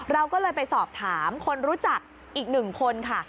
เราก็เลยไปสอบถามคนรู้จักอีกหนึ่งคนค่ะ